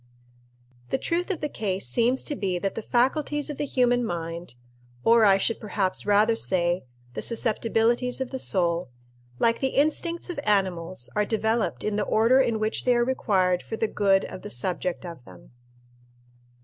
The truth of the case seems to be that the faculties of the human mind or I should perhaps rather say, the susceptibilities of the soul like the instincts of animals, are developed in the order in which they are required for the good of the subject of them.